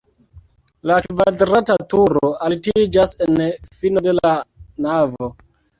La kvadrata turo altiĝas en fino de la navo.